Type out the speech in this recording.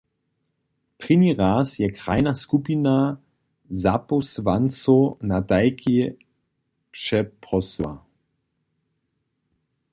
Prěni raz je krajna skupina zapósłancow na tajki přeprosyła.